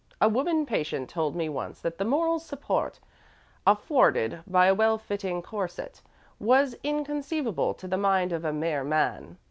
A woman patient told me once that the moral support, afforded by a well fitting corset was inconceivable to the mind of a mere man.